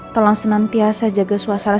tolong senantiasa jaga semua orang